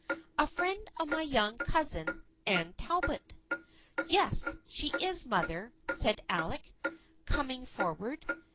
A friend of my young cousin, Anne Talbot." "Yes, she is, mother," said Alec, coming for ward.